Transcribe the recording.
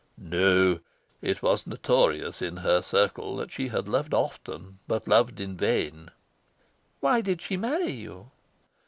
"No, it was notorious in her circle that she had loved often, but loved in vain." "Why did she marry you?"